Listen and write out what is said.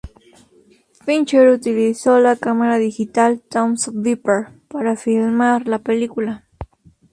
Fincher utilizó la cámara digital Thomson Viper para filmar la película.